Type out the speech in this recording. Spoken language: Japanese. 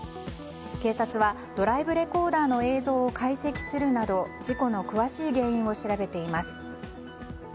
警察はドライブレコーダーの映像を解析するなど事故の詳しい原因を調べています。